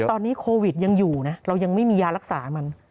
ตอนนี้โควิดยังอยู่นะเรายังไม่มียารักษามัน